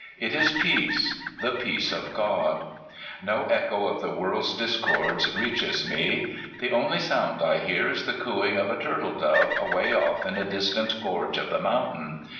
It is peace, the peace of God. No echo of the world's discords reaches me. The only sound I hear is the cooing of a turtle dove away off in a distant gorge of the mountain.